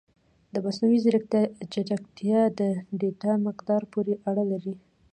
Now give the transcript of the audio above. د مصنوعي ځیرکتیا چټکتیا د ډیټا مقدار پورې اړه لري.